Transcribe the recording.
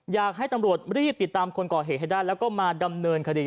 อยากให้ตำรวจรีบติดตามคนก่อเหตุให้ได้แล้วก็มาดำเนินคดี